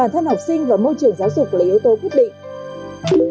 học sinh và môi trường giáo dục là yếu tố quyết định